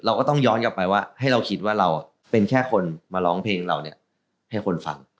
ก็ต้องย้อนกลับไปว่าให้เราคิดว่าเราเป็นแค่คนมาร้องเพลงเราเนี่ยให้คนฟัง